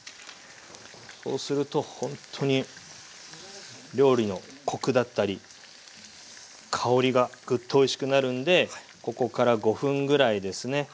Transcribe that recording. そうするとほんとに料理のコクだったり香りがぐっとおいしくなるんでここから５分ぐらいですね